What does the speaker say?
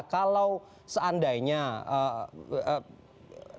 kalau seandainya revisi ini juga mengenai ya